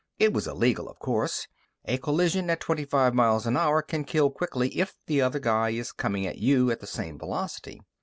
It was illegal, of course; a collision at twenty five miles an hour can kill quickly if the other guy is coming at you at the same velocity.